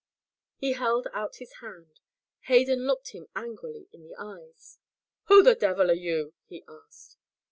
He held out his hand. Hayden looked him angrily in the eyes. "Who the devil are you?" he asked.